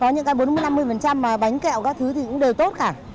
những cái bốn mươi năm mươi mà bánh kẹo các thứ thì cũng đều tốt cả